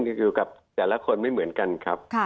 อยู่กับแต่ละคนไม่เหมือนกันครับ